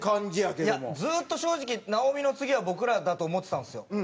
ずっと正直直美の次は僕らだと思ってたんですよ。